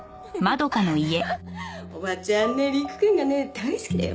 おばちゃんね陸くんがね大好きだよ。